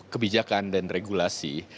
kebijakan dan regulasi